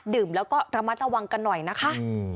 ดื่มแล้วก็ระมัดระวังกันหน่อยนะคะ